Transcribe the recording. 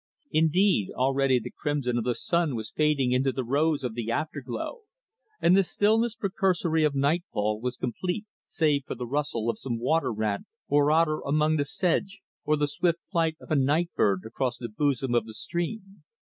Indeed, already the crimson of the sun was fading into the rose of the afterglow, and the stillness precursory of nightfall was complete save for the rustle of some water rat or otter among the sedge, or the swift flight of a night bird across the bosom of the stream.